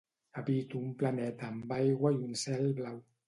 Habito un planeta amb aigua i un cel blau.